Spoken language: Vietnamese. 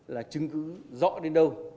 là chứng cứ rõ đến đâu